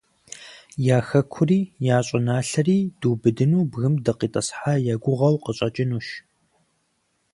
Я хэкури, я щӀыналъэри дубыдыну бгым дыкъитӀысхьа я гугъэу къыщӀэкӀынущ.